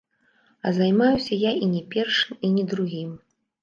А займаюся я і не першым, і не другім.